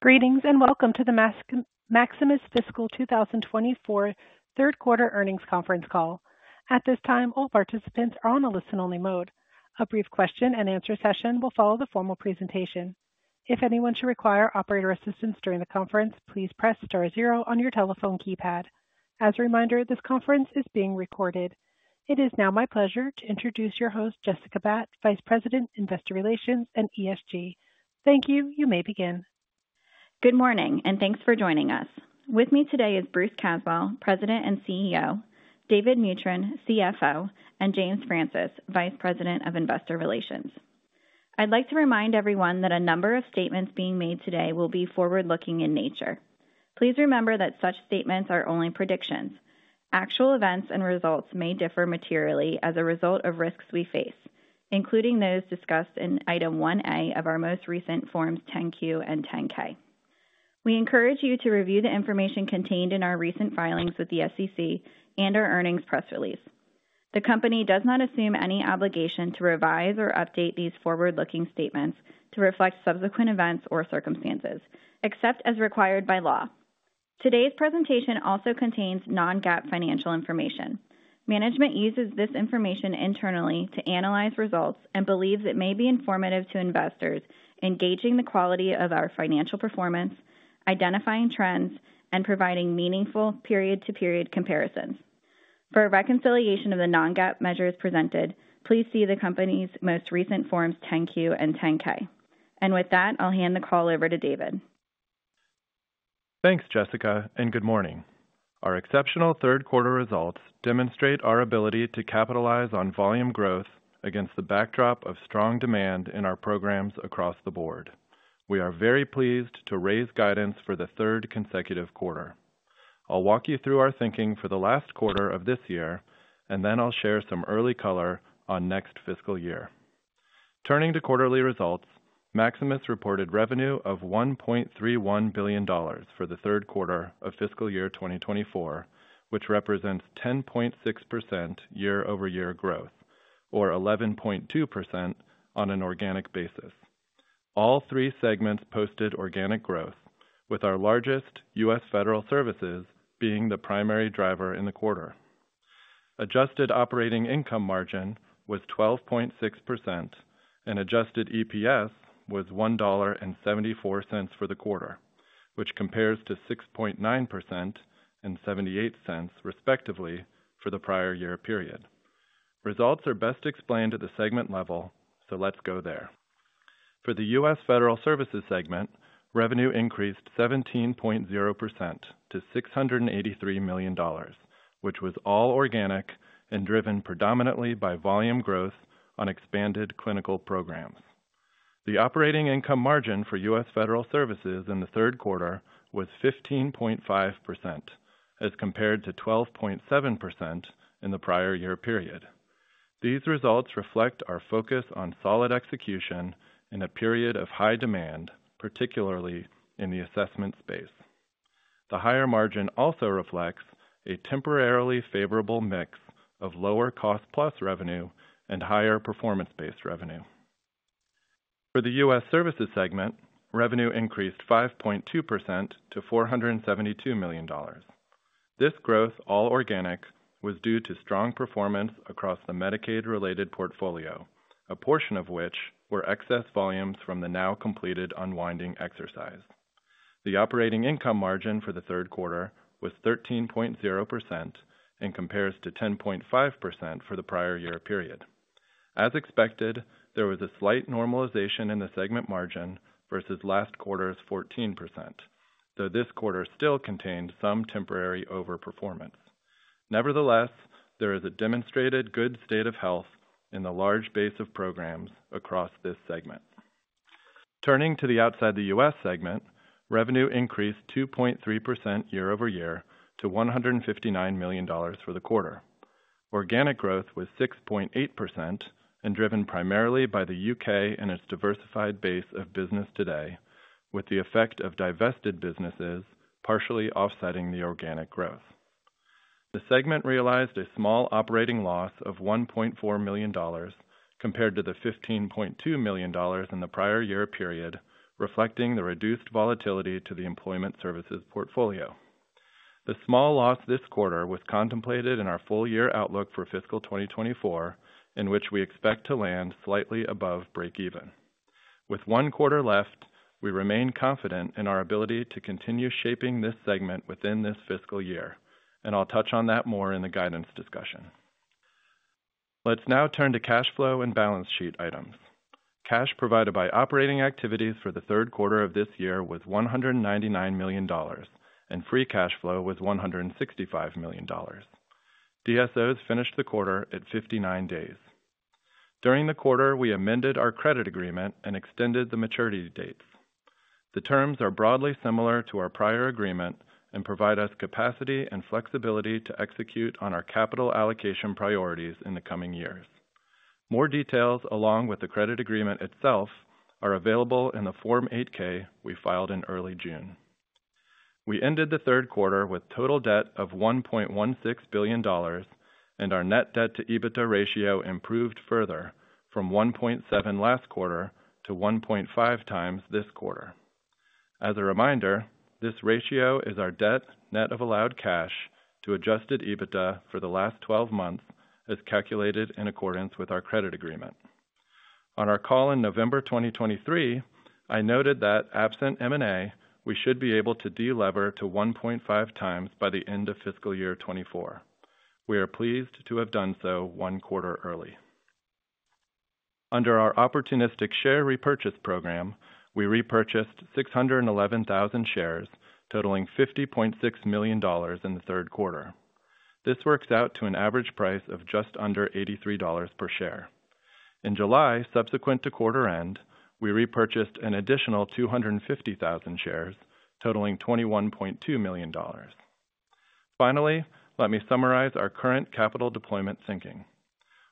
Greetings, and welcome to the Maximus Fiscal 2024 third quarter earnings conference call. At this time, all participants are on a listen-only mode. A brief question and answer session will follow the formal presentation. If anyone should require operator assistance during the conference, please press star zero on your telephone keypad. As a reminder, this conference is being recorded. It is now my pleasure to introduce your host, Jessica Batt, Vice President, Investor Relations and ESG. Thank you. You may begin. Good morning, and thanks for joining us. With me today is Bruce Caswell, President and CEO, David Mutryn, CFO, and James Francis, Vice President of Investor Relations. I'd like to remind everyone that a number of statements being made today will be forward-looking in nature. Please remember that such statements are only predictions. Actual events and results may differ materially as a result of risks we face, including those discussed in Item 1A of our most recent Forms 10-Q and 10-K. We encourage you to review the information contained in our recent filings with the SEC and our earnings press release. The company does not assume any obligation to revise or update these forward-looking statements to reflect subsequent events or circumstances, except as required by law. Today's presentation also contains non-GAAP financial information. Management uses this information internally to analyze results and believes it may be informative to investors in gauging the quality of our financial performance, identifying trends, and providing meaningful period-to-period comparisons. For a reconciliation of the non-GAAP measures presented, please see the company's most recent Forms 10-Q and 10-K. With that, I'll hand the call over to David. Thanks, Jessica, and good morning. Our exceptional third quarter results demonstrate our ability to capitalize on volume growth against the backdrop of strong demand in our programs across the board. We are very pleased to raise guidance for the third consecutive quarter. I'll walk you through our thinking for the last quarter of this year, and then I'll share some early color on next fiscal year. Turning to quarterly results, Maximus reported revenue of $1.31 billion for the third quarter of fiscal year 2024, which represents 10.6% year-over-year growth, or 11.2% on an organic basis. All three segments posted organic growth, with our largest U.S. Federal Services being the primary driver in the quarter. Adjusted operating income margin was 12.6%, and adjusted EPS was $1.74 for the quarter, which compares to 6.9% and $0.78, respectively, for the prior year period. Results are best explained at the segment level, so let's go there. For the US Federal Services segment, revenue increased 17.0% to $683 million, which was all organic and driven predominantly by volume growth on expanded clinical programs. The operating income margin for US Federal Services in the third quarter was 15.5%, as compared to 12.7% in the prior year period. These results reflect our focus on solid execution in a period of high demand, particularly in the assessment space. The higher margin also reflects a temporarily favorable mix of lower cost plus revenue and higher performance-based revenue. For the U.S. Services segment, revenue increased 5.2% to $472 million. This growth, all organic, was due to strong performance across the Medicaid-related portfolio, a portion of which were excess volumes from the now completed unwinding exercise. The operating income margin for the third quarter was 13.0% and compares to 10.5% for the prior year period. As expected, there was a slight normalization in the segment margin versus last quarter's 14%, though this quarter still contained some temporary overperformance. Nevertheless, there is a demonstrated good state of health in the large base of programs across this segment. Turning to the Outside the U.S. segment, revenue increased 2.3% year-over-year to $159 million for the quarter. Organic growth was 6.8% and driven primarily by the UK and its diversified base of business today, with the effect of divested businesses partially offsetting the organic growth. The segment realized a small operating loss of $1.4 million compared to the $15.2 million in the prior year period, reflecting the reduced volatility to the employment services portfolio. The small loss this quarter was contemplated in our full year outlook for fiscal 2024, in which we expect to land slightly above breakeven. With one quarter left, we remain confident in our ability to continue shaping this segment within this fiscal year, and I'll touch on that more in the guidance discussion. Let's now turn to cash flow and balance sheet items. Cash provided by operating activities for the third quarter of this year was $199 million, and free cash flow was $165 million. DSOs finished the quarter at 59 days. During the quarter, we amended our credit agreement and extended the maturity dates. The terms are broadly similar to our prior agreement and provide us capacity and flexibility to execute on our capital allocation priorities in the coming years. More details, along with the credit agreement itself, are available in the Form 8-K we filed in early June. We ended the third quarter with total debt of $1.16 billion, and our net debt to EBITDA ratio improved further from 1.7 last quarter to 1.5x this quarter. As a reminder, this ratio is our debt, net of allowed cash, to adjusted EBITDA for the last 12 months, as calculated in accordance with our credit agreement. On our call in November 2023, I noted that absent M&A, we should be able to delever to 1.5x by the end of fiscal year 2024. We are pleased to have done so 1 quarter early. Under our opportunistic share repurchase program, we repurchased 611,000 shares, totaling $50.6 million in the third quarter. This works out to an average price of just under $83 per share. In July, subsequent toquarter-end, we repurchased an additional 250,000 shares, totaling $21.2 million. Finally, let me summarize our current capital deployment thinking.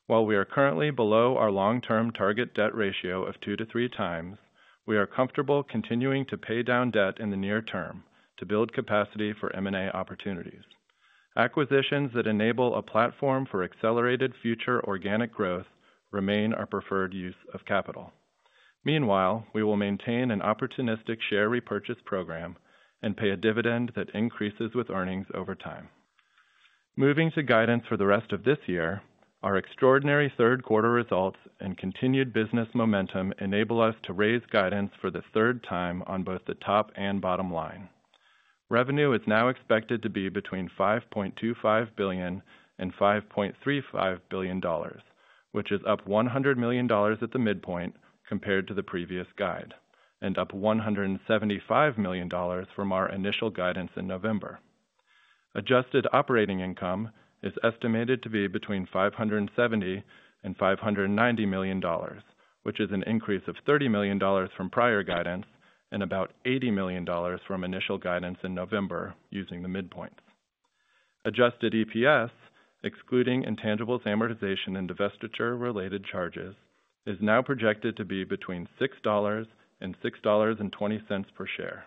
While we are currently below our long-term target debt ratio of 2-3 times, we are comfortable continuing to pay down debt in the near term to build capacity for M&A opportunities. Acquisitions that enable a platform for accelerated future organic growth remain our preferred use of capital. Meanwhile, we will maintain an opportunistic share repurchase program and pay a dividend that increases with earnings over time. Moving to guidance for the rest of this year, our extraordinary third quarter results and continued business momentum enable us to raise guidance for the third time on both the top and bottom line. Revenue is now expected to be between $5.25 billion and $5.35 billion, which is up $100 million at the midpoint compared to the previous guide, and up $175 million from our initial guidance in November. Adjusted operating income is estimated to be between $570 million and $590 million, which is an increase of $30 million from prior guidance and about $80 million from initial guidance in November, using the midpoints. Adjusted EPS, excluding intangibles, amortization, and divestiture-related charges, is now projected to be between $6 and $6.20 per share.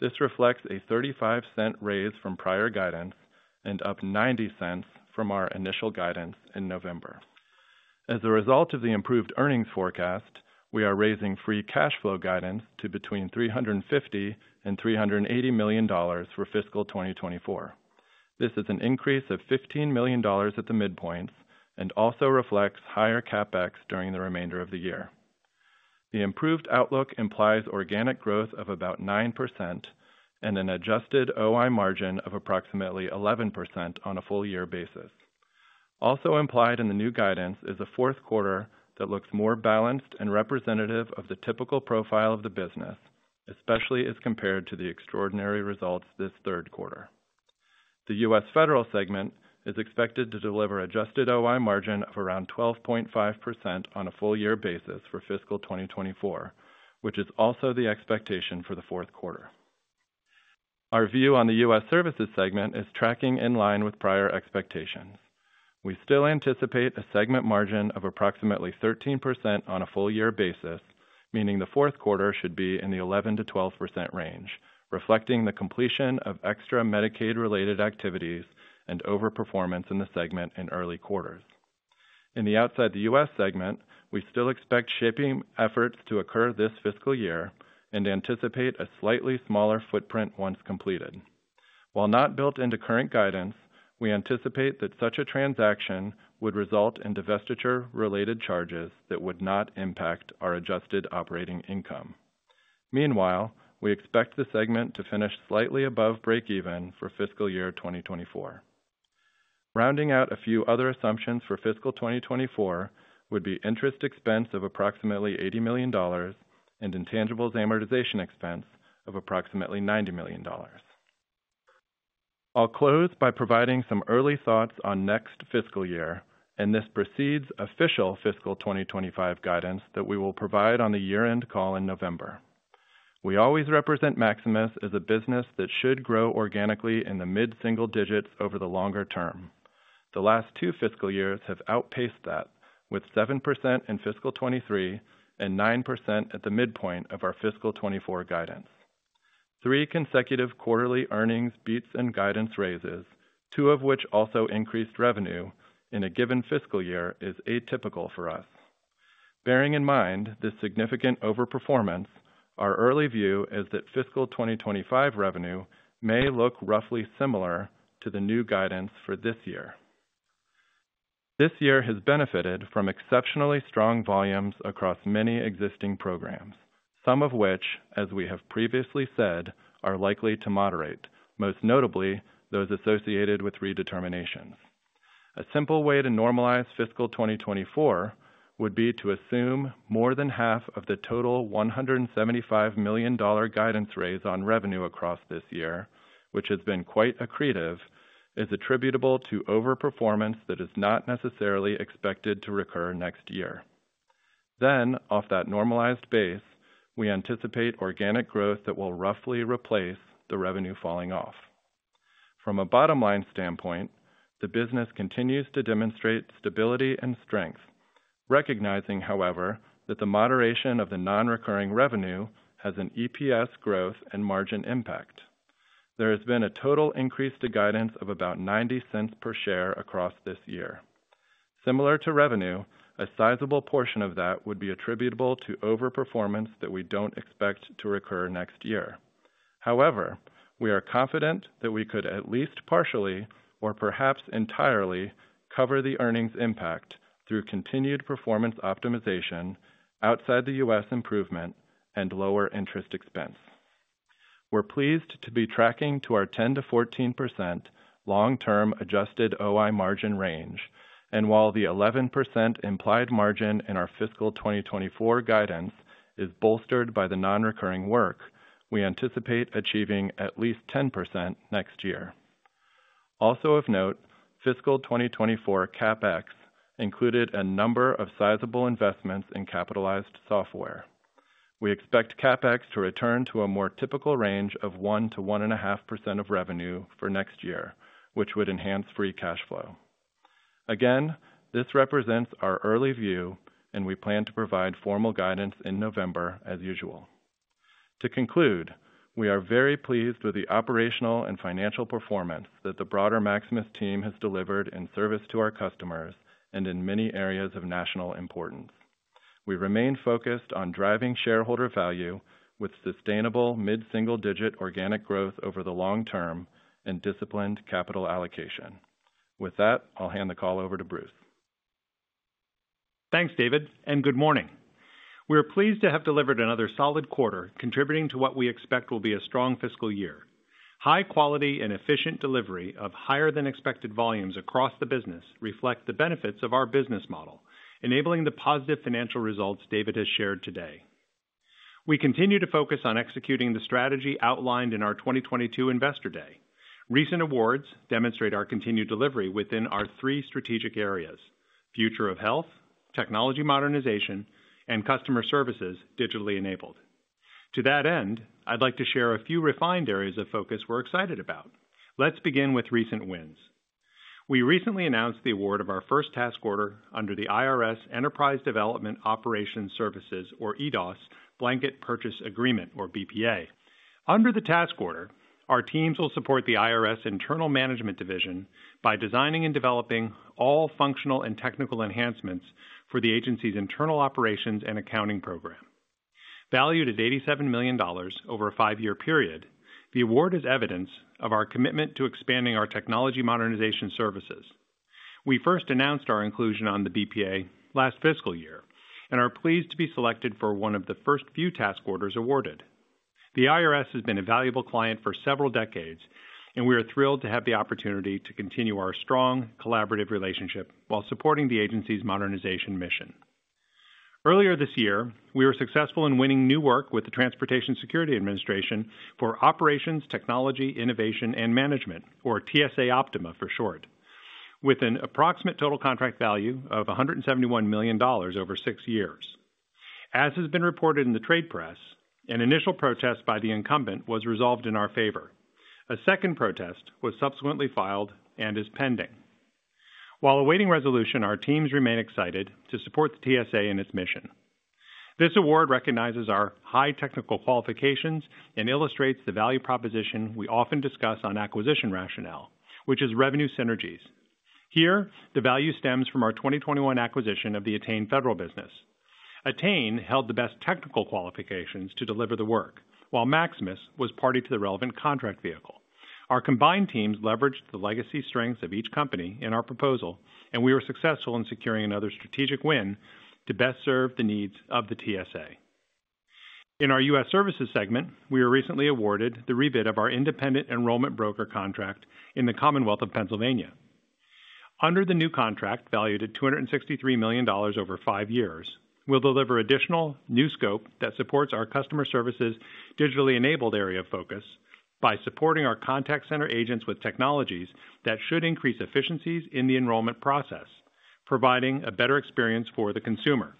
This reflects a 35-cent raise from prior guidance and up 90 cents from our initial guidance in November. As a result of the improved earnings forecast, we are raising free cash flow guidance to between $350 million and $380 million for fiscal 2024. This is an increase of $15 million at the midpoints and also reflects higher CapEx during the remainder of the year. The improved outlook implies organic growth of about 9% and an adjusted OI margin of approximately 11% on a full year basis. Also implied in the new guidance is a fourth quarter that looks more balanced and representative of the typical profile of the business, especially as compared to the extraordinary results this third quarter. The US Federal segment is expected to deliver adjusted OI margin of around 12.5% on a full year basis for fiscal 2024, which is also the expectation for the fourth quarter. Our view on the US Services segment is tracking in line with prior expectations. We still anticipate a segment margin of approximately 13% on a full year basis, meaning the fourth quarter should be in the 11%-12% range, reflecting the completion of extra Medicaid-related activities and overperformance in the segment in early quarters. In the Outside the U.S. segment, we still expect shaping efforts to occur this fiscal year and anticipate a slightly smaller footprint once completed. While not built into current guidance, we anticipate that such a transaction would result in divestiture-related charges that would not impact our adjusted operating income. Meanwhile, we expect the segment to finish slightly above breakeven for fiscal year 2024. Rounding out a few other assumptions for fiscal 2024 would be interest expense of approximately $80 million and intangibles amortization expense of approximately $90 million. I'll close by providing some early thoughts on next fiscal year, and this precedes official fiscal 2025 guidance that we will provide on the year-end call in November. We always represent Maximus as a business that should grow organically in the mid-single digits over the longer term. The last two fiscal years have outpaced that, with 7% in fiscal 2023 and 9% at the midpoint of our fiscal 2024 guidance. Three consecutive quarterly earnings beats and guidance raises, two of which also increased revenue in a given fiscal year, is atypical for us. Bearing in mind this significant overperformance, our early view is that fiscal 2025 revenue may look roughly similar to the new guidance for this year. This year has benefited from exceptionally strong volumes across many existing programs, some of which, as we have previously said, are likely to moderate, most notably those associated with redeterminations. A simple way to normalize fiscal 2024 would be to assume more than half of the total $175 million guidance raise on revenue across this year, which has been quite accretive, is attributable to overperformance that is not necessarily expected to recur next year. Then, off that normalized base, we anticipate organic growth that will roughly replace the revenue falling off. From a bottom-line standpoint, the business continues to demonstrate stability and strength, recognizing, however, that the moderation of the non-recurring revenue has an EPS growth and margin impact. There has been a total increase to guidance of about $0.90 per share across this year. Similar to revenue, a sizable portion of that would be attributable to overperformance that we don't expect to recur next year. However, we are confident that we could at least partially, or perhaps entirely, cover the earnings impact through continued performance optimization, Outside the U.S. improvement, and lower interest expense. We're pleased to be tracking to our 10%-14% long-term adjusted OI margin range, and while the 11% implied margin in our fiscal 2024 guidance is bolstered by the non-recurring work, we anticipate achieving at least 10% next year. Also of note, fiscal 2024 CapEx included a number of sizable investments in capitalized software. We expect CapEx to return to a more typical range of 1%-1.5% of revenue for next year, which would enhance free cash flow. Again, this represents our early view, and we plan to provide formal guidance in November as usual. To conclude, we are very pleased with the operational and financial performance that the broader Maximus team has delivered in service to our customers and in many areas of national importance. We remain focused on driving shareholder value with sustainable mid-single-digit organic growth over the long term and disciplined capital allocation. With that, I'll hand the call over to Bruce. Thanks, David, and good morning. We're pleased to have delivered another solid quarter, contributing to what we expect will be a strong fiscal year. High quality and efficient delivery of higher than expected volumes across the business reflect the benefits of our business model, enabling the positive financial results David has shared today. We continue to focus on executing the strategy outlined in our 2022 Investor Day. Recent awards demonstrate our continued delivery within our three strategic areas: Future of Health, Technology Modernization, and Customer Services Digitally Enabled. To that end, I'd like to share a few refined areas of focus we're excited about. Let's begin with recent wins. We recently announced the award of our first task order under the IRS Enterprise Development Operations Services, or EDOS, Blanket Purchase Agreement, or BPA. Under the task order, our teams will support the IRS Internal Management Division by designing and developing all functional and technical enhancements for the agency's internal operations and accounting program. Valued at $87 million over a five-year period, the award is evidence of our commitment to expanding our Technology Modernization services. We first announced our inclusion on the BPA last fiscal year, and are pleased to be selected for one of the first few task orders awarded. The IRS has been a valuable client for several decades, and we are thrilled to have the opportunity to continue our strong, collaborative relationship while supporting the agency's modernization mission. Earlier this year, we were successful in winning new work with the Transportation Security Administration for Operations, Technology, Innovation, and Management, or TSA Optima for short, with an approximate total contract value of $171 million over six years. As has been reported in the trade press, an initial protest by the incumbent was resolved in our favor. A second protest was subsequently filed and is pending. While awaiting resolution, our teams remain excited to support the TSA in its mission. This award recognizes our high technical qualifications and illustrates the value proposition we often discuss on acquisition rationale, which is revenue synergies. Here, the value stems from our 2021 acquisition of the Attain Federal business. Attain held the best technical qualifications to deliver the work, while Maximus was party to the relevant contract vehicle. Our combined teams leveraged the legacy strengths of each company in our proposal, and we were successful in securing another strategic win to best serve the needs of the TSA. In our U.S. services segment, we were recently awarded the rebid of our independent enrollment broker contract in the Commonwealth of Pennsylvania. Under the new contract, valued at $263 million over 5 years, we'll deliver additional new scope that supports our Customer Services Digitally Enabled area of focus by supporting our contact center agents with technologies that should increase efficiencies in the enrollment process, providing a better experience for the consumer.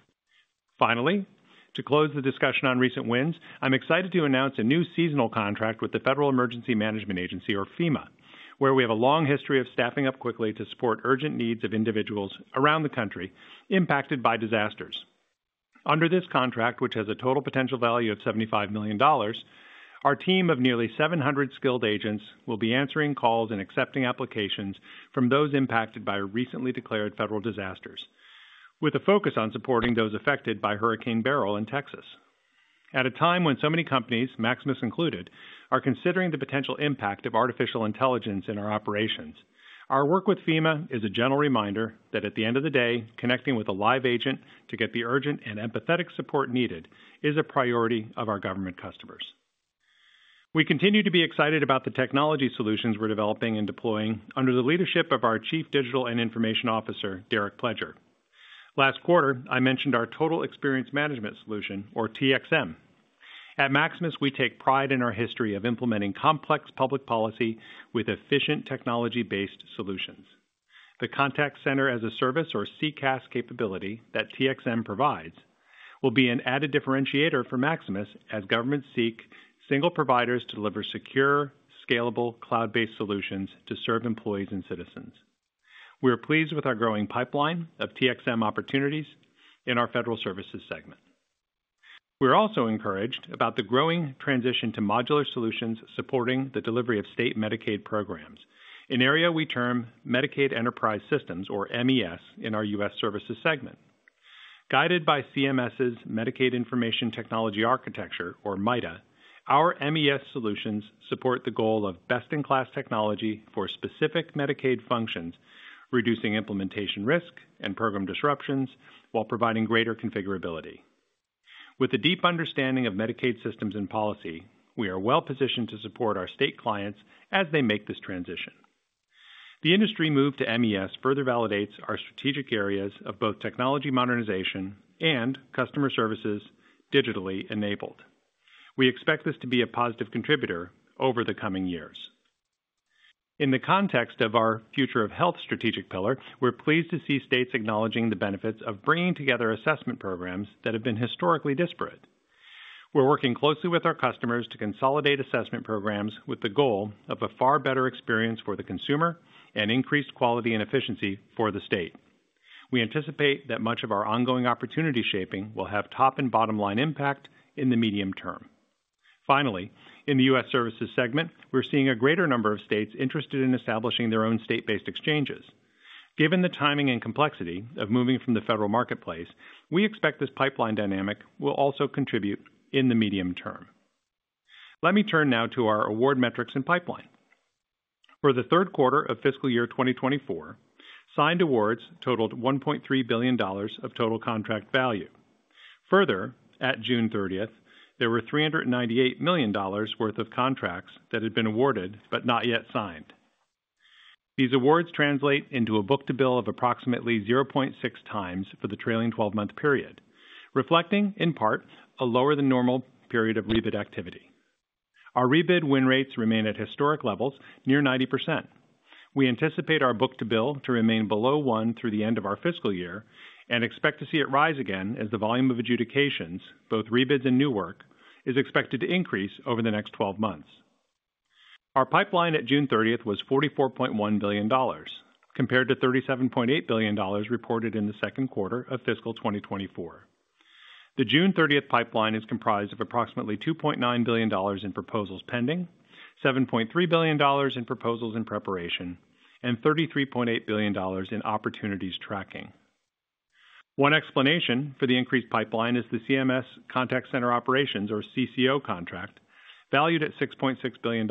Finally, to close the discussion on recent wins, I'm excited to announce a new seasonal contract with the Federal Emergency Management Agency or FEMA, where we have a long history of staffing up quickly to support urgent needs of individuals around the country impacted by disasters. Under this contract, which has a total potential value of $75 million, our team of nearly 700 skilled agents will be answering calls and accepting applications from those impacted by recently declared federal disasters, with a focus on supporting those affected by Hurricane Beryl in Texas. At a time when so many companies, Maximus included, are considering the potential impact of artificial intelligence in our operations, our work with FEMA is a gentle reminder that at the end of the day, connecting with a live agent to get the urgent and empathetic support needed is a priority of our government customers. We continue to be excited about the technology solutions we're developing and deploying under the leadership of our Chief Digital and Information Officer, Derek Pledger. Last quarter, I mentioned our Total Experience Management solution, or TXM. At Maximus, we take pride in our history of implementing complex public policy with efficient, technology-based solutions.... The contact center as a service or CCaaS capability that TXM provides, will be an added differentiator for Maximus as governments seek single providers to deliver secure, scalable, cloud-based solutions to serve employees and citizens. We are pleased with our growing pipeline of TXM opportunities in our federal services segment. We're also encouraged about the growing transition to modular solutions supporting the delivery of state Medicaid programs, an area we term Medicaid Enterprise Systems, or MES, in our U.S. Services segment. Guided by CMS's Medicaid Information Technology Architecture, or MITA, our MES solutions support the goal of best-in-class technology for specific Medicaid functions, reducing implementation risk and program disruptions while providing greater configurability. With a deep understanding of Medicaid systems and policy, we are well-positioned to support our state clients as they make this transition. The industry move to MES further validates our strategic areas of both Technology Modernization and Customer Services Digitally Enabled. We expect this to be a positive contributor over the coming years. In the context of our Future of Health strategic pillar, we're pleased to see states acknowledging the benefits of bringing together assessment programs that have been historically disparate. We're working closely with our customers to consolidate assessment programs with the goal of a far better experience for the consumer and increased quality and efficiency for the state. We anticipate that much of our ongoing opportunity shaping will have top and bottom-line impact in the medium term. Finally, in the U.S. Services segment, we're seeing a greater number of states interested in establishing their own state-based exchanges. Given the timing and complexity of moving from the federal marketplace, we expect this pipeline dynamic will also contribute in the medium term. Let me turn now to our award metrics and pipeline. For the third quarter of fiscal year 2024, signed awards totaled $1.3 billion of total contract value. Further, at June 30th, there were $398 million worth of contracts that had been awarded, but not yet signed. These awards translate into a book-to-bill of approximately 0.6x for the trailing twelve-month period, reflecting, in part, a lower-than-normal period of rebid activity. Our rebid win rates remain at historic levels, near 90%. We anticipate our book-to-bill to remain below 1 through the end of our fiscal year, and expect to see it rise again as the volume of adjudications, both rebids and new work, is expected to increase over the next twelve months. Our pipeline at June 30th was $44.1 billion, compared to $37.8 billion reported in the second quarter of fiscal 2024. The June 30th pipeline is comprised of approximately $2.9 billion in proposals pending, $7.3 billion in proposals in preparation, and $33.8 billion in opportunities tracking. One explanation for the increased pipeline is the CMS Contact Center Operations, or CCO contract, valued at $6.6 billion.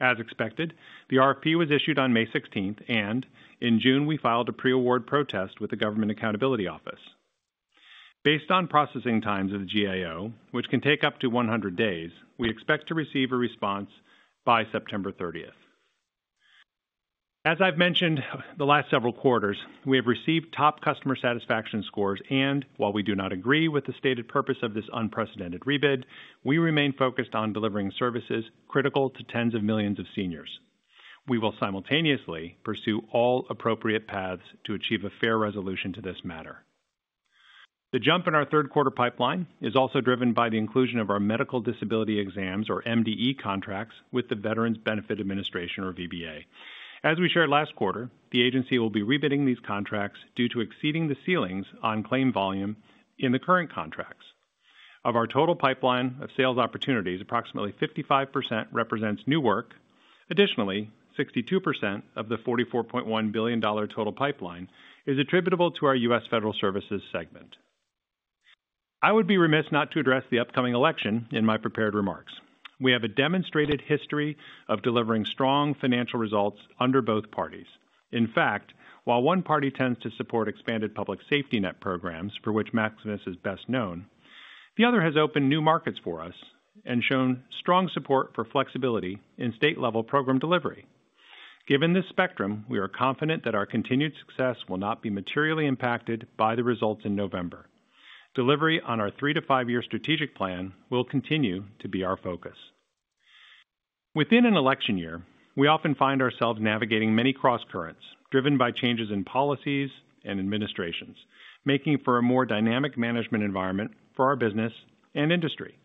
As expected, the RFP was issued on May 16th, and in June, we filed a pre-award protest with the Government Accountability Office. Based on processing times of the GAO, which can take up to 100 days, we expect to receive a response by September 30. As I've mentioned, the last several quarters, we have received top customer satisfaction scores, and while we do not agree with the stated purpose of this unprecedented rebid, we remain focused on delivering services critical to tens of millions of seniors. We will simultaneously pursue all appropriate paths to achieve a fair resolution to this matter. The jump in our third quarter pipeline is also driven by the inclusion of our medical disability exams or MDE contracts with the Veterans Benefits Administration or VBA. As we shared last quarter, the agency will be rebidding these contracts due to exceeding the ceilings on claim volume in the current contracts. Of our total pipeline of sales opportunities, approximately 55% represents new work. Additionally, 62% of the $44.1 billion total pipeline is attributable to our U.S. Federal Services segment. I would be remiss not to address the upcoming election in my prepared remarks. We have a demonstrated history of delivering strong financial results under both parties. In fact, while one party tends to support expanded public safety net programs, for which Maximus is best known, the other has opened new markets for us and shown strong support for flexibility in state-level program delivery. Given this spectrum, we are confident that our continued success will not be materially impacted by the results in November. Delivery on our 3- to 5-year strategic plan will continue to be our focus. Within an election year, we often find ourselves navigating many crosscurrents, driven by changes in policies and administrations, making for a more dynamic management environment for our business and industry.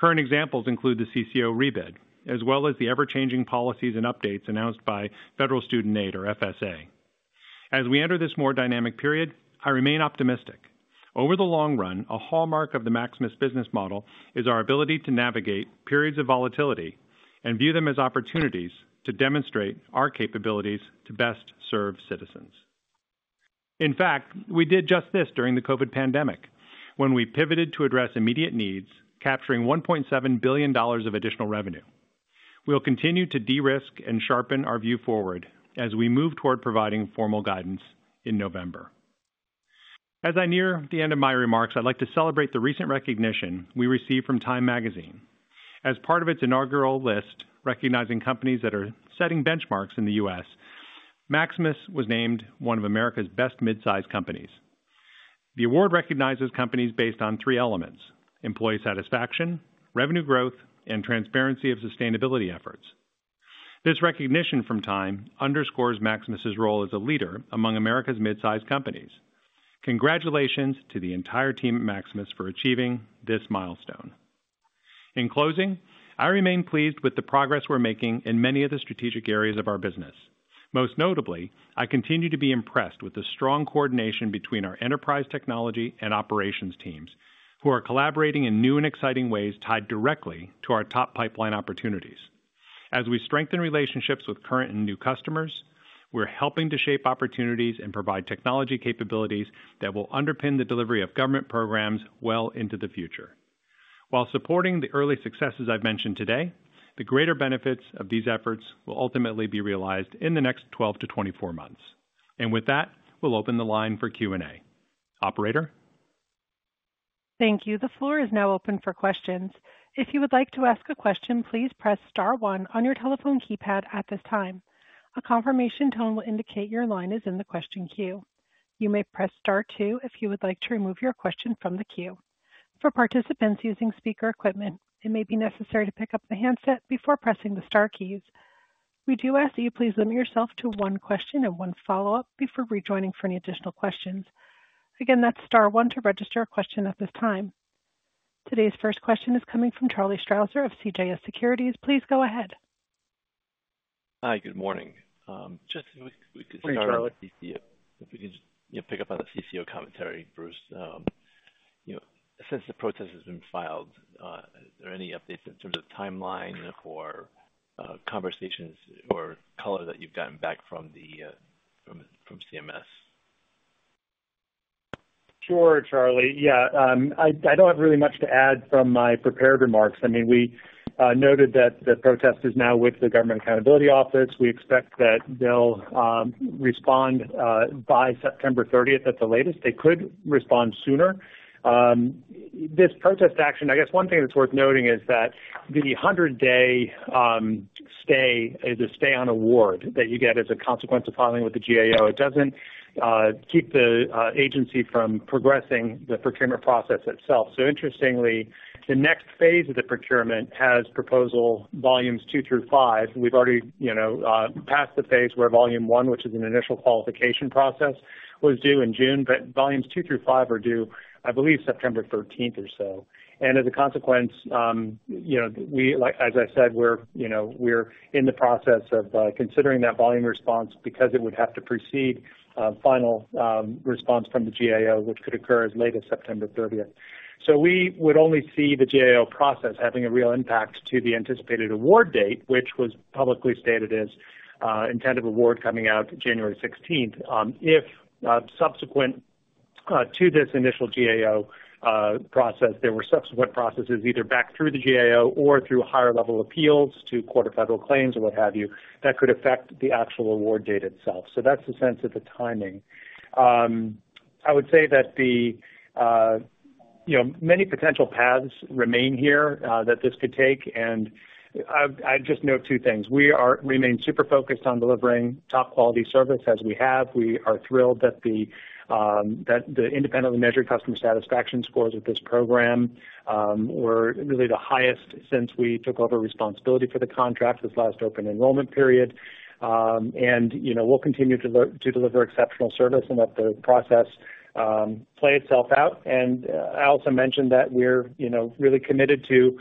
Current examples include the CCO rebid, as well as the ever-changing policies and updates announced by Federal Student Aid, or FSA. As we enter this more dynamic period, I remain optimistic. Over the long run, a hallmark of the Maximus business model is our ability to navigate periods of volatility and view them as opportunities to demonstrate our capabilities to best serve citizens. In fact, we did just this during the COVID pandemic, when we pivoted to address immediate needs, capturing $1.7 billion of additional revenue. We'll continue to de-risk and sharpen our view forward as we move toward providing formal guidance in November. As I near the end of my remarks, I'd like to celebrate the recent recognition we received from Time Magazine. As part of its inaugural list, recognizing companies that are setting benchmarks in the U.S., Maximus was named one of America's best mid-size companies. ...The award recognizes companies based on three elements: employee satisfaction, revenue growth, and transparency of sustainability efforts. This recognition from Time underscores Maximus' role as a leader among America's mid-sized companies. Congratulations to the entire team at Maximus for achieving this milestone. In closing, I remain pleased with the progress we're making in many of the strategic areas of our business. Most notably, I continue to be impressed with the strong coordination between our enterprise technology and operations teams, who are collaborating in new and exciting ways tied directly to our top pipeline opportunities. As we strengthen relationships with current and new customers, we're helping to shape opportunities and provide technology capabilities that will underpin the delivery of government programs well into the future. While supporting the early successes I've mentioned today, the greater benefits of these efforts will ultimately be realized in the next 12-24 months. With that, we'll open the line for Q&A. Operator? Thank you. The floor is now open for questions. If you would like to ask a question, please press star one on your telephone keypad at this time. A confirmation tone will indicate your line is in the question queue. You may press star two if you would like to remove your question from the queue. For participants using speaker equipment, it may be necessary to pick up the handset before pressing the star keys. We do ask that you please limit yourself to one question and one follow-up before rejoining for any additional questions. Again, that's star one to register a question at this time. Today's first question is coming from Charlie Strauser of CJS Securities. Please go ahead. Hi, good morning. Just if we could start- Hi, Charlie. If we could, you know, pick up on the CCO commentary, Bruce. You know, since the protest has been filed, are there any updates in terms of timeline or conversations or color that you've gotten back from the CMS? Sure, Charlie. Yeah, I don't have really much to add from my prepared remarks. I mean, we noted that the protest is now with the Government Accountability Office. We expect that they'll respond by September thirtieth at the latest. They could respond sooner. This protest action, I guess one thing that's worth noting is that the 100-day stay is a stay on award that you get as a consequence of filing with the GAO. It doesn't keep the agency from progressing the procurement process itself. So interestingly, the next phase of the procurement has proposal volumes 2 through 5. We've already, you know, passed the phase where volume 1, which is an initial qualification process, was due in June, but volumes 2 through 5 are due, I believe, September thirteenth or so. As a consequence, you know, we, like, as I said, we're, you know, we're in the process of considering that volume response because it would have to precede final response from the GAO, which could occur as late as September thirtieth. So we would only see the GAO process having a real impact to the anticipated award date, which was publicly stated as intent of award coming out January sixteenth. If subsequent to this initial GAO process, there were subsequent processes, either back through the GAO or through higher level appeals to Court of Federal Claims or what have you, that could affect the actual award date itself. So that's the sense of the timing. I would say that the, you know, many potential paths remain here, that this could take, and I'd just note two things. We remain super focused on delivering top quality service, as we have. We are thrilled that the, that the independently measured customer satisfaction scores with this program, were really the highest since we took over responsibility for the contract this last open enrollment period. And, you know, we'll continue to deliver exceptional service and let the process, play itself out. And I also mentioned that we're, you know, really committed to,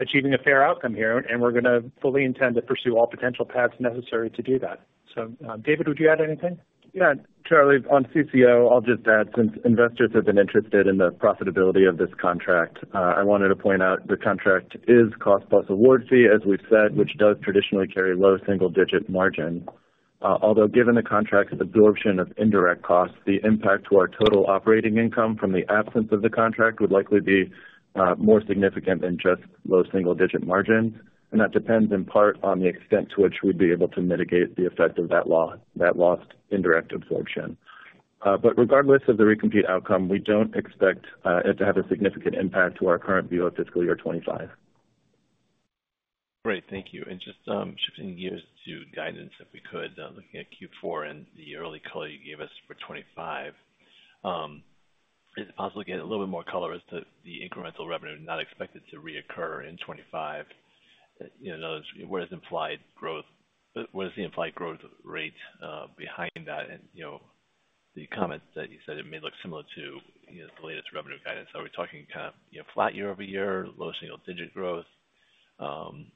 achieving a fair outcome here, and we're gonna fully intend to pursue all potential paths necessary to do that. So, David, would you add anything? Yeah, Charlie, on CCO, I'll just add, since investors have been interested in the profitability of this contract, I wanted to point out the contract is Cost Plus Award Fee, as we've said, which does traditionally carry low single-digit margin. Although given the contract's absorption of indirect costs, the impact to our total operating income from the absence of the contract would likely be, more significant than just low single-digit margins, and that depends in part on the extent to which we'd be able to mitigate the effect of that loss, that lost indirect absorption. But regardless of the recompete outcome, we don't expect, it to have a significant impact to our current view of fiscal year 25. Great, thank you. Just shifting gears to guidance, if we could, looking at Q4 and the early color you gave us for 2025. Is it possible to get a little bit more color as to the incremental revenue not expected to reoccur in 2025? You know, where is implied growth, where is the implied growth rate, behind that? You know, the comment that you said it may look similar to, you know, the latest revenue guidance. Are we talking kind of, you know, flat year-over-year, low single digit growth? And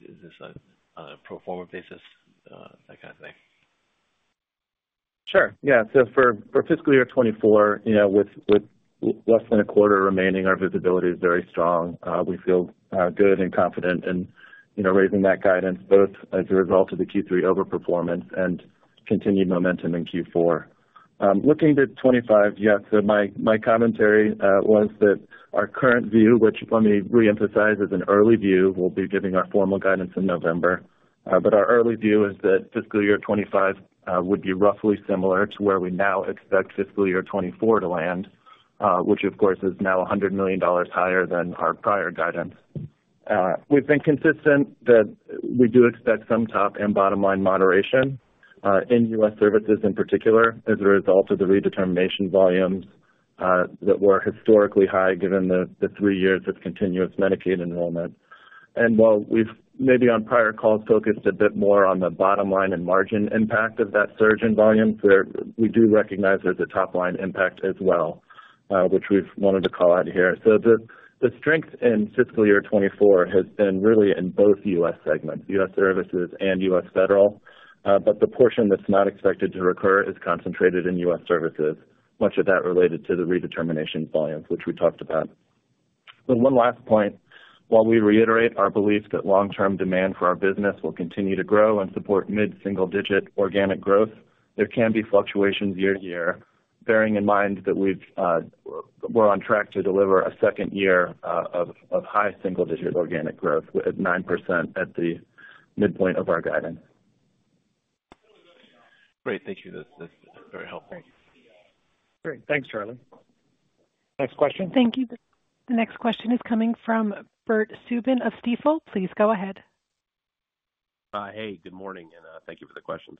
is this on a pro forma basis? That kind of thing. Sure. Yeah. So for fiscal year 2024, you know, with less than a quarter remaining, our visibility is very strong. We feel good and confident in, you know, raising that guidance, both as a result of the Q3 overperformance and continued momentum in Q4. Looking to 2025, yes, so my commentary was that our current view, which let me reemphasize, is an early view. We'll be giving our formal guidance in November. But our early view is that fiscal year 2025 would be roughly similar to where we now expect fiscal year 2024 to land, which of course, is now $100 million higher than our prior guidance. We've been consistent that we do expect some top and bottom-line moderation in U.S. Services in particular, as a result of the redetermination volumes that were historically high, given the three years of continuous Medicaid enrollment. And while we've maybe on prior calls focused a bit more on the bottom line and margin impact of that surge in volumes, we do recognize there's a top-line impact as well, which we've wanted to call out here. So the strength in fiscal year 2024 has been really in both U.S. segments, U.S. Services and U.S. Federal. But the portion that's not expected to recur is concentrated in U.S. Services, much of that related to the redetermination volumes, which we talked about. Then one last point. While we reiterate our belief that long-term demand for our business will continue to grow and support mid-single-digit organic growth, there can be fluctuations year to year, bearing in mind that we've, we're on track to deliver a second year of high single-digit organic growth at 9% at the midpoint of our guidance. Great. Thank you. This, this is very helpful. Great. Thanks, Charlie. Next question? Thank you. The next question is coming from Bert Subin of Stifel. Please go ahead. Hey, good morning, and thank you for the questions.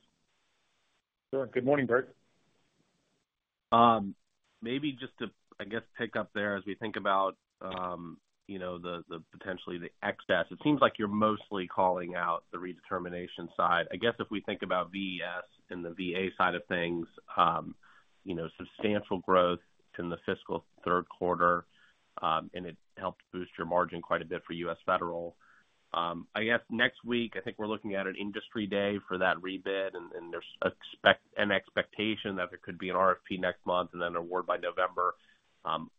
Sure. Good morning, Bert. Maybe just to, I guess, pick up there as we think about, you know, the, the potentially the excess, it seems like you're mostly calling out the redetermination side. I guess if we think about VES and the VA side of things, you know, substantial growth in the fiscal third quarter, and it helped boost your margin quite a bit for U.S. Federal. I guess next week, I think we're looking at an industry day for that rebid, and there's an expectation that there could be an RFP next month and then an award by November.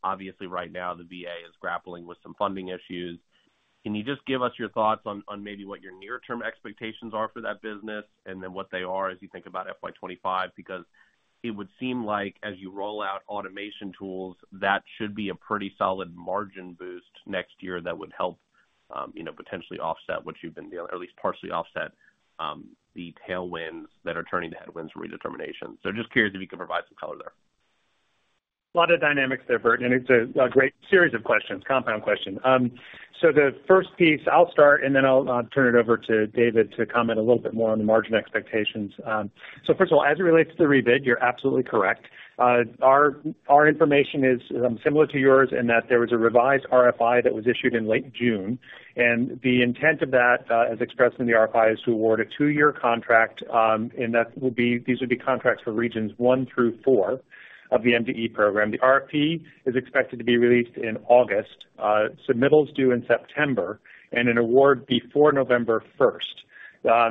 Obviously, right now, the VA is grappling with some funding issues. Can you just give us your thoughts on, on maybe what your near-term expectations are for that business, and then what they are as you think about FY 2025? Because it would seem like as you roll out automation tools, that should be a pretty solid margin boost next year that would help, you know, potentially offset what you've been dealing, at least partially offset, the tailwinds that are turning the headwinds redetermination. So just curious if you can provide some color there. A lot of dynamics there, Bert, and it's a, a great series of questions, compound question. So the first piece, I'll start, and then I'll turn it over to David to comment a little bit more on the margin expectations. So first of all, as it relates to the rebid, you're absolutely correct. Our information is similar to yours in that there was a revised RFI that was issued in late June, and the intent of that, as expressed in the RFI, is to award a two-year contract, and that will be... these would be contracts for Regions One through Four of the MDE program. The RFP is expected to be released in August, submittals due in September, and an award before November first.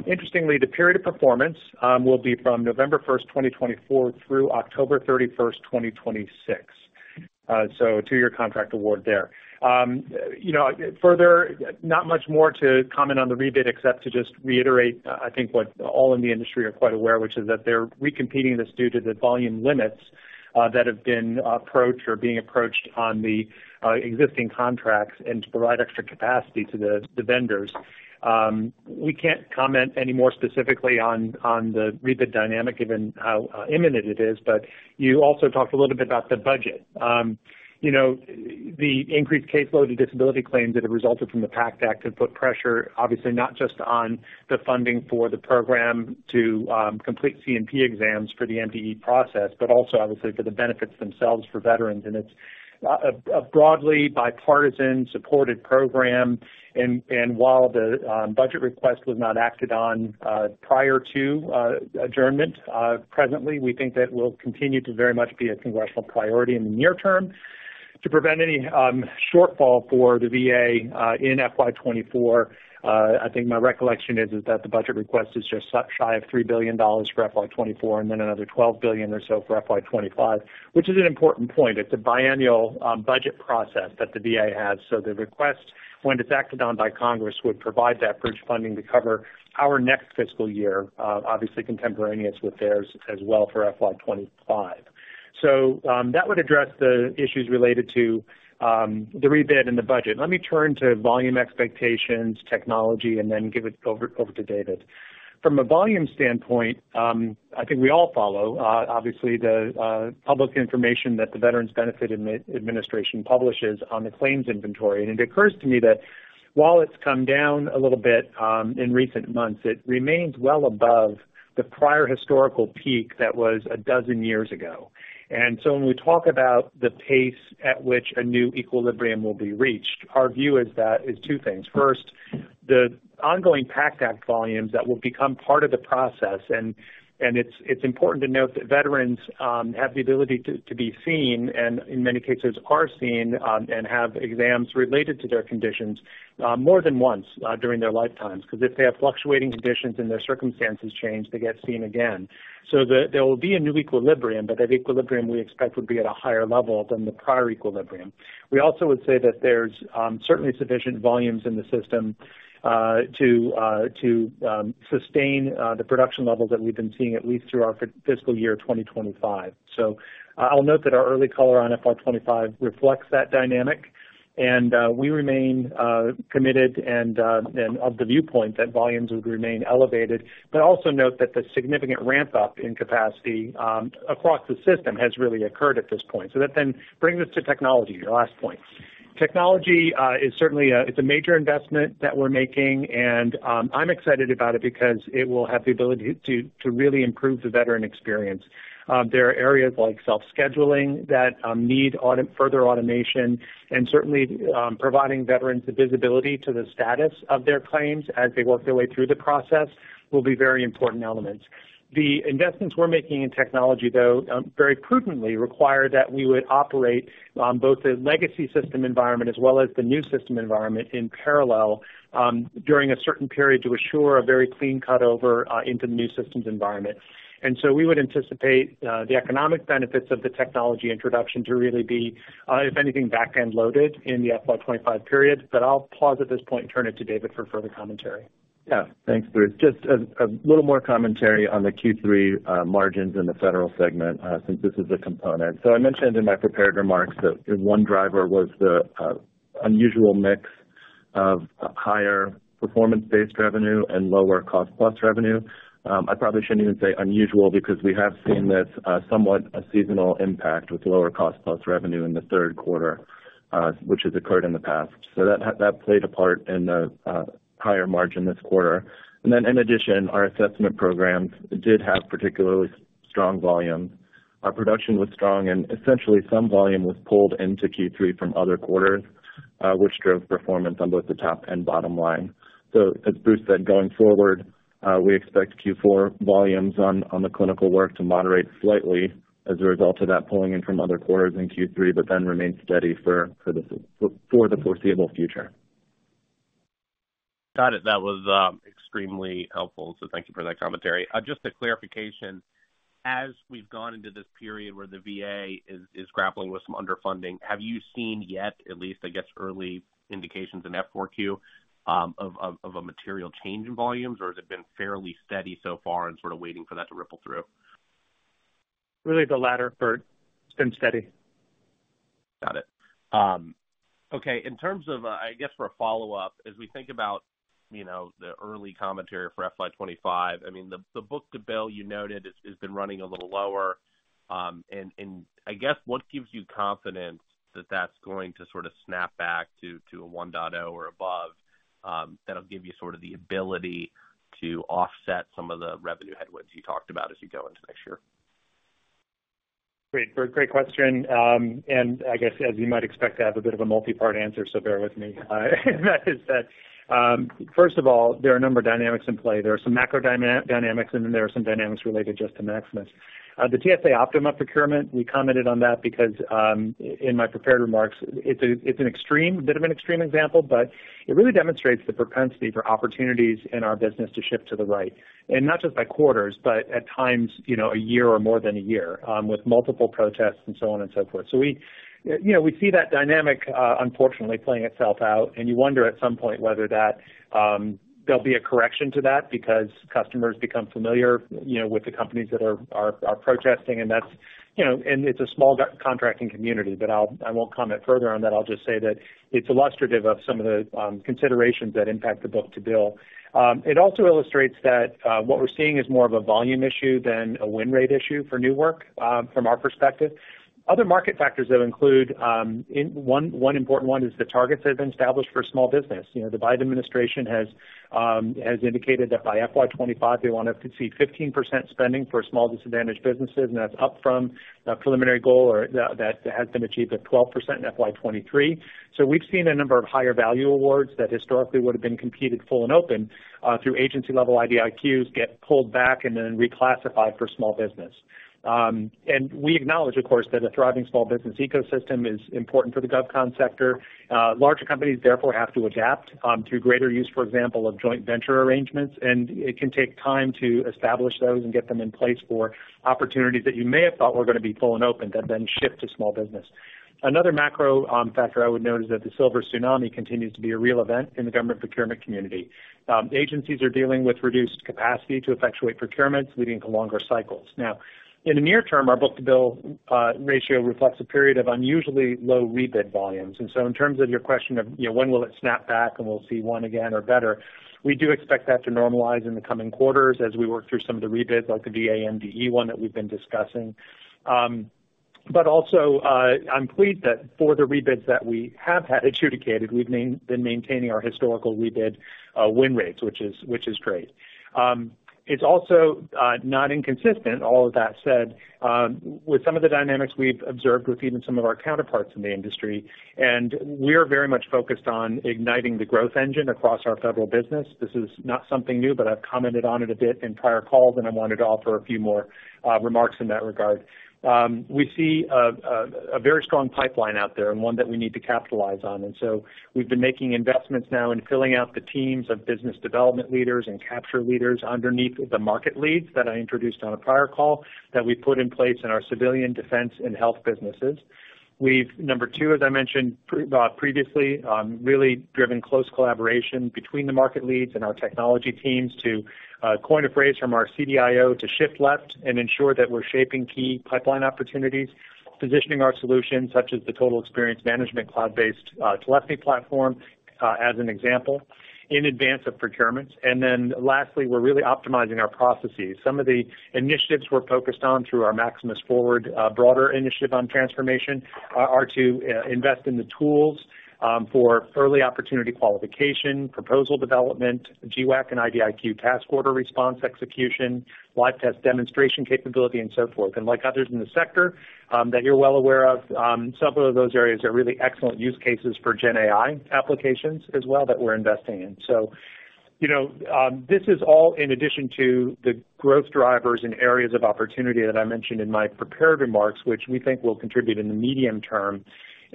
Interestingly, the period of performance will be from November 1st, 2024, through October 31st, 2026. So two year contract award there. You know, further, not much more to comment on the rebid, except to just reiterate, I think, what all in the industry are quite aware, which is that they're recompeting this due to the volume limits that have been approached or being approached on the existing contracts and to provide extra capacity to the vendors. We can't comment any more specifically on the rebid dynamic, given how imminent it is, but you also talked a little bit about the budget. You know, the increased caseload of disability claims that have resulted from the PACT Act have put pressure, obviously, not just on the funding for the program to complete C&P exams for the MDE process, but also, obviously, for the benefits themselves for veterans. And it's a broadly bipartisan supported program, and while the budget request was not acted on prior to adjournment, presently, we think that will continue to very much be a congressional priority in the near term. To prevent any shortfall for the VA in FY 2024, I think my recollection is that the budget request is just shy of $3 billion for FY 2024, and then another $12 billion or so for FY 2025, which is an important point. It's a biennial budget process that the VA has. So the request, when it's acted on by Congress, would provide that bridge funding to cover our next fiscal year, obviously contemporaneous with theirs as well for FY 2025. So, that would address the issues related to the rebid and the budget. Let me turn to volume expectations, technology, and then give it over to David. From a volume standpoint, I think we all follow, obviously, the public information that the Veterans Benefits Administration publishes on the claims inventory. And it occurs to me that while it's come down a little bit, in recent months, it remains well above the prior historical peak that was a dozen years ago. And so when we talk about the pace at which a new equilibrium will be reached, our view is that it's two things. First, the ongoing PACT Act volumes that will become part of the process, and it's important to note that veterans have the ability to be seen, and in many cases are seen, and have exams related to their conditions more than once during their lifetimes, because if they have fluctuating conditions and their circumstances change, they get seen again. So there will be a new equilibrium, but that equilibrium, we expect, would be at a higher level than the prior equilibrium. We also would say that there's certainly sufficient volumes in the system to sustain the production levels that we've been seeing at least through our fiscal year 2025. So I'll note that our early color on FY 2025 reflects that dynamic, and we remain committed and of the viewpoint that volumes would remain elevated, but also note that the significant ramp up in capacity across the system has really occurred at this point. So that then brings us to technology, your last point. Technology is certainly a major investment that we're making, and I'm excited about it because it will have the ability to really improve the veteran experience. There are areas like self-scheduling that need further automation, and certainly providing veterans the visibility to the status of their claims as they work their way through the process will be very important elements. The investments we're making in technology, though, very prudently require that we would operate both the legacy system environment as well as the new system environment in parallel, during a certain period, to assure a very clean cut over into the new systems environment. And so we would anticipate the economic benefits of the technology introduction to really be, if anything, back-end loaded in the FY 2025 period. But I'll pause at this point and turn it to David for further commentary. Yeah. Thanks, Bruce. Just a little more commentary on the Q3 margins in the federal segment, since this is a component. So I mentioned in my prepared remarks that one driver was the unusual mix of higher performance-based revenue and lower cost plus revenue. I probably shouldn't even say unusual, because we have seen this somewhat a seasonal impact with lower cost plus revenue in the third quarter, which has occurred in the past. So that played a part in the higher margin this quarter. And then in addition, our assessment programs did have particularly strong volumes. Our production was strong, and essentially, some volume was pulled into Q3 from other quarters, which drove performance on both the top and bottom line. So as Bruce said, going forward, we expect Q4 volumes on the clinical work to moderate slightly as a result of that pulling in from other quarters in Q3, but then remain steady for the foreseeable future. Got it. That was extremely helpful, so thank you for that commentary. Just a clarification: As we've gone into this period where the VA is grappling with some underfunding, have you seen yet, at least, I guess, early indications in F4Q of a material change in volumes, or has it been fairly steady so far and sort of waiting for that to ripple through? Really the latter, Bert. It's been steady. Got it. Okay. In terms of, I guess, for a follow-up, as we think about, you know, the early commentary for FY 2025, I mean, the, the book-to-bill you noted has, has been running a little lower. And, and I guess, what gives you confidence that that's going to sort of snap back to, to a 1.0 or above, that'll give you sort of the ability to offset some of the revenue headwinds you talked about as you go into next year? Great, Bert, great question. And I guess, as you might expect, I have a bit of a multi-part answer, so bear with me. And that is that, first of all, there are a number of dynamics in play. There are some macro dynamics, and then there are some dynamics related just to Maximus. The TSA Optima procurement, we commented on that because, in my prepared remarks, it's an extreme, bit of an extreme example, but it really demonstrates the propensity for opportunities in our business to shift to the right. And not just by quarters, but at times, you know, a year or more than a year, with multiple protests and so on and so forth. So we, you know, we see that dynamic, unfortunately, playing itself out, and you wonder at some point whether that, there'll be a correction to that because customers become familiar, you know, with the companies that are protesting, and that's, you know, and it's a small government contracting community, but I'll—I won't comment further on that. I'll just say that it's illustrative of some of the considerations that impact the book-to-bill. It also illustrates that what we're seeing is more of a volume issue than a win rate issue for new work, from our perspective. Other market factors that include, in one important one is the targets that have been established for small business. You know, the Biden administration has indicated that by FY 2025, they want to see 15% spending for small disadvantaged businesses, and that's up from a preliminary goal or that has been achieved at 12% in FY 2023. So we've seen a number of higher value awards that historically would have been competed full and open through agency-level IDIQs, get pulled back and then reclassified for small business. And we acknowledge, of course, that a thriving small business ecosystem is important for the govcon sector. Larger companies, therefore, have to adapt through greater use, for example, of joint venture arrangements, and it can take time to establish those and get them in place for opportunities that you may have thought were gonna be full and open, that then shift to small business. Another macro factor I would note is that the silver tsunami continues to be a real event in the government procurement community. Agencies are dealing with reduced capacity to effectuate procurements, leading to longer cycles. Now, in the near term, our Book-to-Bill ratio reflects a period of unusually low rebid volumes. And so in terms of your question of, you know, when will it snap back and we'll see one again or better, we do expect that to normalize in the coming quarters as we work through some of the rebids, like the VA MDE one that we've been discussing. But also, I'm pleased that for the rebids that we have had adjudicated, we've been maintaining our historical rebid win rates, which is, which is great. It's also not inconsistent, all of that said, with some of the dynamics we've observed with even some of our counterparts in the industry, and we're very much focused on igniting the growth engine across our federal business. This is not something new, but I've commented on it a bit in prior calls, and I wanted to offer a few more remarks in that regard. We see a very strong pipeline out there and one that we need to capitalize on. And so we've been making investments now in filling out the teams of business development leaders and capture leaders underneath the market leads that I introduced on a prior call, that we put in place in our civilian defense and health businesses. We've, number two, as I mentioned previously, really driven close collaboration between the market leads and our technology teams to coin a phrase from our CDIO, to shift left and ensure that we're shaping key pipeline opportunities, positioning our solutions, such as the Total Experience Management cloud-based telephony platform, as an example, in advance of procurements. And then lastly, we're really optimizing our processes. Some of the initiatives we're focused on through our Maximus Forward broader initiative on transformation are to invest in the tools for early opportunity qualification, proposal development, GWAC and IDIQ task order response execution, live test demonstration capability, and so forth. And like others in the sector that you're well aware of, several of those areas are really excellent use cases for GenAI applications as well, that we're investing in. So-... You know, this is all in addition to the growth drivers and areas of opportunity that I mentioned in my prepared remarks, which we think will contribute in the medium term.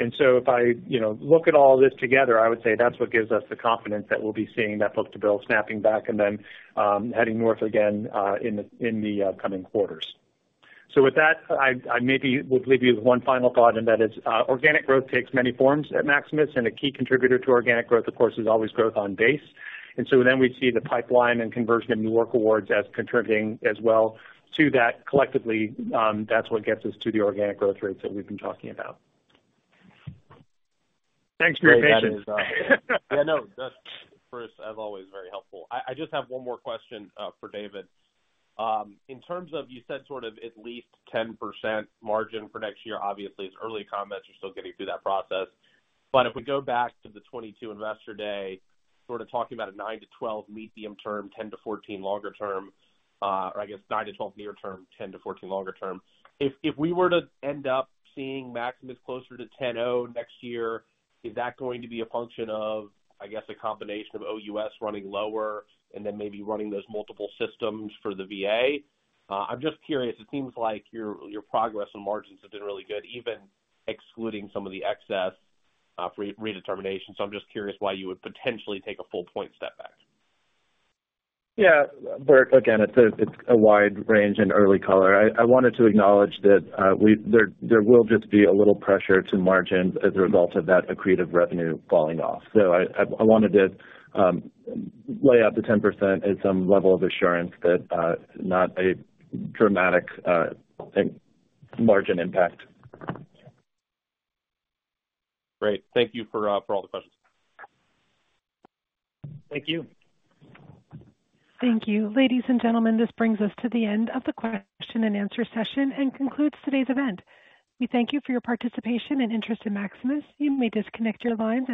And so if I, you know, look at all this together, I would say that's what gives us the confidence that we'll be seeing that book-to-bill snapping back and then heading north again in the coming quarters. So with that, I maybe will leave you with one final thought, and that is organic growth takes many forms at Maximus, and a key contributor to organic growth, of course, is always growth on base. And so then we see the pipeline and conversion of new work awards as contributing as well to that. Collectively, that's what gets us to the organic growth rates that we've been talking about. Thanks, great, David. Yeah, no, that's first, as always, very helpful. I just have one more question for David. In terms of, you said sort of at least 10% margin for next year. Obviously, it's early comments. You're still getting through that process. But if we go back to the 2022 Investor Day, sort of talking about a 9%-12% medium term, 10%-14% longer term, or I guess 9%-12% near term, 10%-14% longer term. If we were to end up seeing Maximus closer to 10% next year, is that going to be a function of, I guess, a combination of OUS running lower and then maybe running those multiple systems for the VA? I'm just curious. It seems like your progress on margins has been really good, even excluding some of the excess redetermination. I'm just curious why you would potentially take a full point step back? Yeah, but again, it's a wide range in early color. I wanted to acknowledge that, there will just be a little pressure to margins as a result of that accretive revenue falling off. So I wanted to lay out the 10% and some level of assurance that, not a dramatic margin impact. Great. Thank you for all the questions. Thank you. Thank you. Ladies and gentlemen, this brings us to the end of the question-and-answer session and concludes today's event. We thank you for your participation and interest in Maximus. You may disconnect your lines.